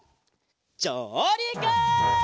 じょうりく！